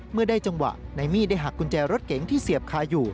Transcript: เมื่อได้จังหวะนายมี่ได้หักกุญแจรถเก๋งที่เสียบคาอยู่